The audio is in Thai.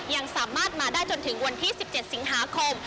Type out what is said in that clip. ยังสามารถมาได้จนถึงวันที่๑๗สิงหาคม